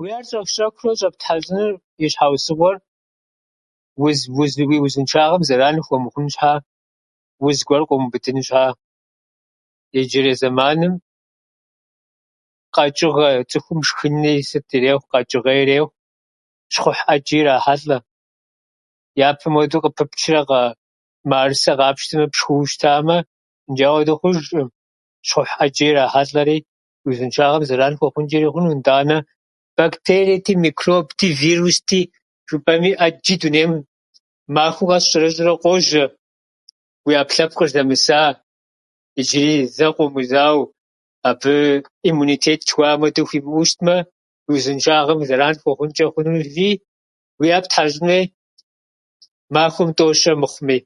Уи ӏэр щӏэх-щӏэхыурэ щӏэптхьэщӏыным и щхьэусыгъуэр уз- уз- уи узыншагъэм зэран хуэмыхъун щхьа, уз гуэр къумыубыдын щхьа. Иджырей зэманым къэчӏыгъэ цӏыхум шхыни сыт ирехъу, къэчӏыгъэ ирехъу, щхъухь ӏэджи ирахьэлӏэ. Япэм уэду къыпыпчрэ къэ- мыӏэрысэр къапщтэрэ пшхыуэ щытамэ, ныджы ахуэду хъужӏым, щхъухь ӏэджэ ирахьэлӏэри узыншагъэм зэран хуэхъунчӏэри хъуну. Нтӏанэ бактериети, микробти, вирусти жыпӏэми, ӏэджи дунейм махуэ къэс щӏэрыщӏэурэ къожьэ, уи ӏэплъэпкъыр зэмыса, иджыри зэ къомыузау Абы иммунитет жыхуаӏэм хуэдэ хуимыӏэу щытмэ, узыншагъэми зэран хуэхъунчӏэ хъунущи, уи ӏэ птхьэщӏын уей махуэм тӏэу-щэ мыхъуми.